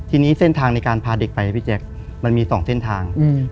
ทีนี้เส้นทางในการพาเด็กไปพี่แจ๊คมันมี๒เส้นทาง